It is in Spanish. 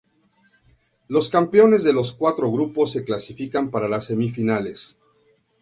Los campeones de los cuatro grupos se clasifican para las semifinales.